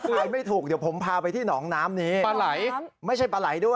ถ้าถ่ายไม่ถูกเดี๋ยวผมพาไปที่หนองน้ำนี้